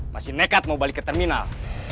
masih nekat mau balik ke terminal